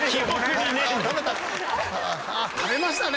あっ、食べましたね！